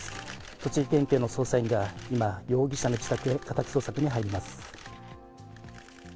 栃木県警の捜査員が今、容疑者の自宅へ家宅捜索に入ります。